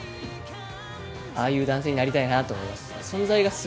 ああいう男性になりたいなと思います。